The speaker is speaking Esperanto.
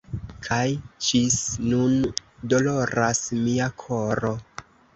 Kaj ĝis nun doloras mia koro!